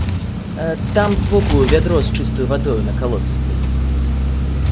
Там збоку вядро з чыстаю вадою на калодцы стаіць.